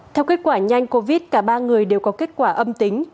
theo kết quả nhanh covid cả ba người đều có kết quả âm tính